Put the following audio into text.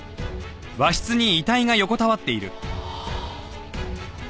ああ。